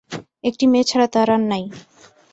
একটি মেয়ে ছাড়া তাঁর আর নাই।